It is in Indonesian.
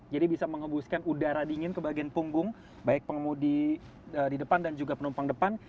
jadi bisa mengembuskan udara dingin ke bagian punggung baik pengemudi di depan dan juga penumpang depan